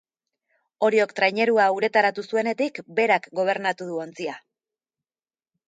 Oriok trainerua uretaratu zuenetik, berak gobernatu du ontzia.